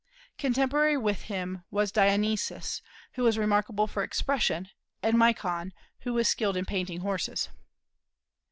Contemporary with him was Dionysius, who was remarkable for expression, and Micon, who was skilled in painting horses.